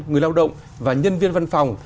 người lao động và nhân viên văn phòng